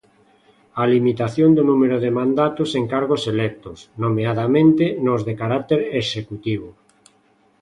A limitación do número de mandatos en cargos electos, nomeadamente nos de carácter executivo.